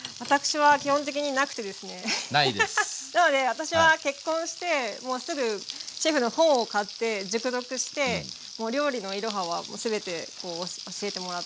私は結婚してもうすぐシェフの本を買って熟読してもう料理のイロハは全て教えてもらって。